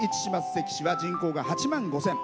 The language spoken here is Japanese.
関市は人口が８万５０００。